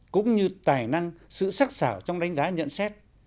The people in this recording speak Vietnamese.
cũng như tài năng sự sắc xảo trong đánh giá nhận xét